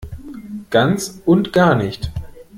Ganz und gar nicht!